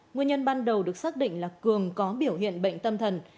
nguyên nhân ban đầu được xác định là cường có biểu hiện bệnh tâm thần